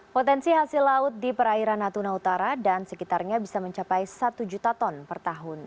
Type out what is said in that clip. potensi hasil laut di perairan natuna utara dan sekitarnya bisa mencapai satu juta ton per tahun